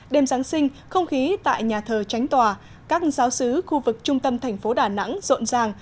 đêm giáng sinh không khí tại nhà thờ tránh tòa các giáo sứ khu vực trung tâm thành phố đà nẵng rộn ràng